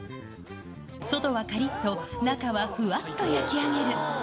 外はかりっと、中はふわっと焼き上げる。